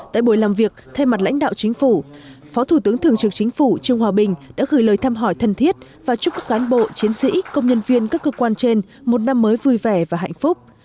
tại buổi làm việc thay mặt lãnh đạo chính phủ phó thủ tướng thường trực chính phủ trương hòa bình đã gửi lời thăm hỏi thân thiết và chúc các cán bộ chiến sĩ công nhân viên các cơ quan trên một năm mới vui vẻ và hạnh phúc